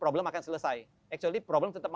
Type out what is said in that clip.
belum akan selesai sebenarnya masalahnya